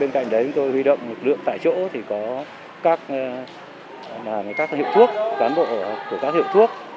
bên cạnh đấy chúng tôi huy động lực lượng tại chỗ thì có các hiệu thuốc cán bộ của các hiệu thuốc